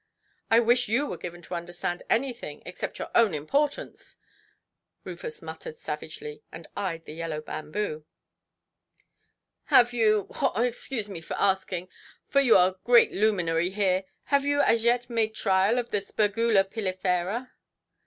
"I wish you were given to understand anything except your own importance", Rufus muttered savagely, and eyed the yellow bamboo. "Have you—haw! excuse my asking, for you are a great luminary here; have you as yet made trial of the Spergula pilifera"?